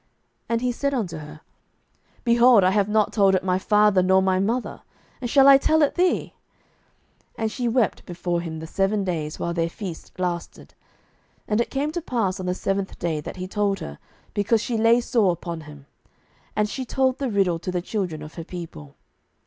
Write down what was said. And he said unto her, Behold, I have not told it my father nor my mother, and shall I tell it thee? 07:014:017 And she wept before him the seven days, while their feast lasted: and it came to pass on the seventh day, that he told her, because she lay sore upon him: and she told the riddle to the children of her people.